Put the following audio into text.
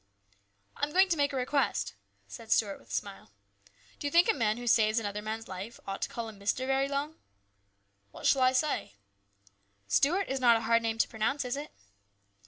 " I am going to make a request," said Stuart with a smile. " Do you think a man who saves another man's life ought to call him ' Mister ' very long ?"" What shall I say ?" "'Stuart' is not a hard name to pronounce, is it?"